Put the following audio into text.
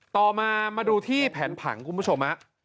ต่อมามาดูที่แผนผังคุณผู้ชมฮะ